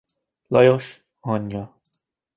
Lajos anyja.